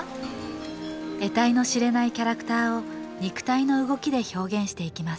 えたいの知れないキャラクターを肉体の動きで表現していきます